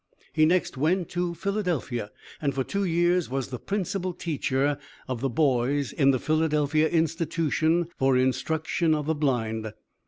He next went to Philadelphia, and for two years was the principal teacher of the boys in the Philadelphia Institution for instruction of the blind.